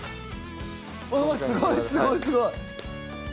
おお、すごいすごい。